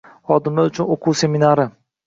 Xodimlar uchun o‘quv seminari